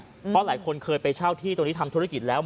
เพราะหลายคนเคยไปเช่าที่ตรงนี้ทำธุรกิจแล้ว